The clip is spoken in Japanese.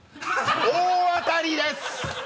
大当たりです！